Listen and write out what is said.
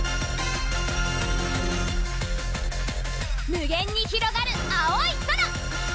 無限にひろがる青い空！